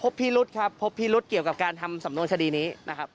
พบพิรุษครับเกี่ยวกับการทำสำนวนชดีนี้